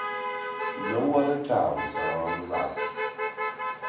No other towns are on the route.